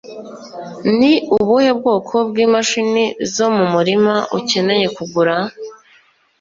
Ni ubuhe bwoko bw'imashini zo mu murima ukeneye kugura?